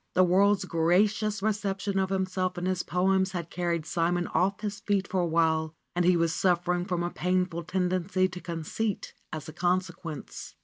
The world's gracious reception of himself and his poems had carried Simon off his feet for a while and he was suffering from a painful tendency to conceit as a consequence.